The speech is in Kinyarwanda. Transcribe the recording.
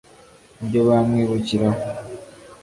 ibyo bamwibukiraho